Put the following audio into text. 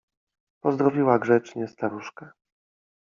Pozdrowiła grzecznie staruszkę.